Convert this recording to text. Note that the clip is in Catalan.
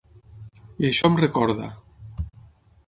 I això em recorda.